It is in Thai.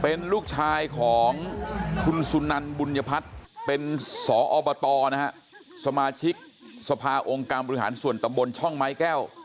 เป็นลูกชายของคุณสุนันบุญพัฒน์เป็นสอบตนะฮะสมาชิกสภาองค์การบริหารส่วนตำบลช่องไม้แก้ว